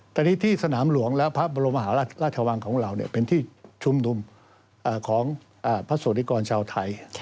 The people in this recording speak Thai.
ตอนนี้ที่สนามหลวงและพระบรมหาราชวังของเราเป็นที่ชุมนุมของพระสวดิกรชาวไทย